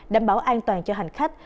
đảm bảo an toàn cho hành khách